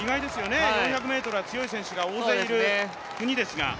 ４００ｍは強い選手が大勢いる国ですが。